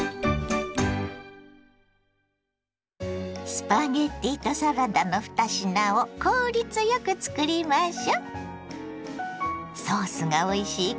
スパゲッティとサラダの２品を効率よくつくりましょ。